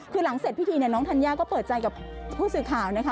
คือหลังเสร็จพิธีเนี่ยน้องธัญญาก็เปิดใจกับผู้สื่อข่าวนะคะ